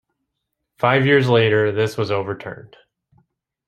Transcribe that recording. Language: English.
Five years later, this was overturned.